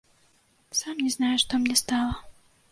Сам не знаю, што мне стала?